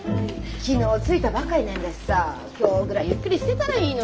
昨日着いたばかりなんだしさ今日ぐらいゆっくりしてたらいいのに。